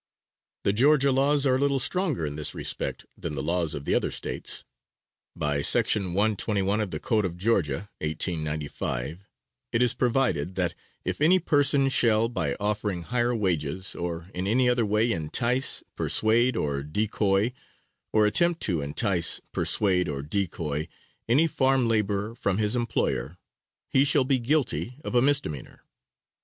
The Georgia laws are a little stronger in this respect than the laws of the other States. By section 121, of the Code of Georgia, 1895, it is provided, "that if any person shall, by offering higher wages, or in any other way entice, persuade or decoy, or attempt to entice, persuade or decoy any farm laborer from his employer, he shall be guilty of a misdemeanor."